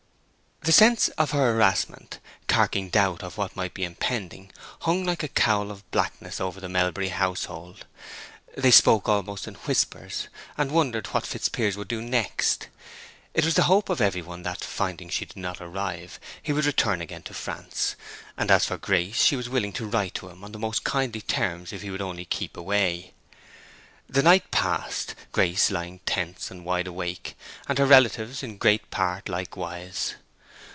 The sense of her harassment, carking doubt of what might be impending, hung like a cowl of blackness over the Melbury household. They spoke almost in whispers, and wondered what Fitzpiers would do next. It was the hope of every one that, finding she did not arrive, he would return again to France; and as for Grace, she was willing to write to him on the most kindly terms if he would only keep away. The night passed, Grace lying tense and wide awake, and her relatives, in great part, likewise.